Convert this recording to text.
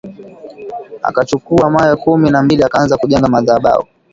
Akachukua mawe kumi na mbili akaanza kujenga madhabau.